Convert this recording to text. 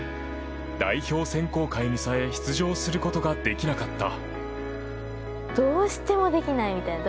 代表選考会にさえ出場することができなかった。